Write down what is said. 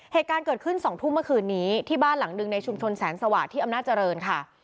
เหตุการณ์เกิดขึ้น๒ทุ่มเมื่อคืนนี้ที่บ้านหลังหนึ่งในชุมชนแสนสวาสที่อำนาจริงค่ะ